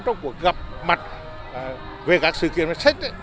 trong cuộc gặp mặt về các sự kiện sách